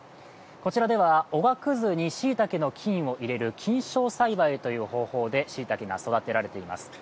こちらではおがくずにしいたけの菌を入れる菌床栽培と呼ばれる方法でしいたけが育てられています。